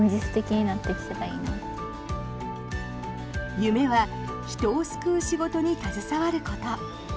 夢は人を救う仕事に携わること。